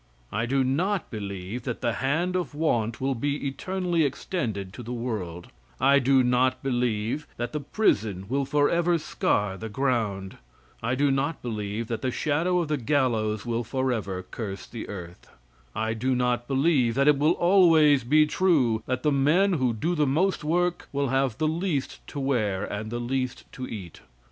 I do not believe that the hand of want will be eternally extended in the world; I do not believe that the prison will forever scar the ground; I do not believe that the shadow of the gallows will forever curse the earth; I do not believe that it will always be true that the men who do the most work will have the least to wear and the least to eat.